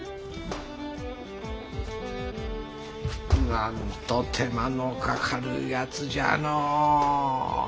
なんと手間のかかるやつじゃのう。